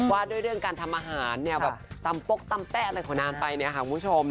ว่าด้วยเรื่องการทำอาหารเนี่ยแบบตำปกตำแป๊ะอะไรของนางไปเนี่ยค่ะคุณผู้ชม